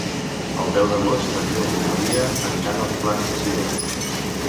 El deu d'agost en Lluc i na Lia aniran als Plans de Sió.